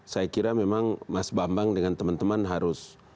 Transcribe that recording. saya kira memang mas bambang dengan teman teman harus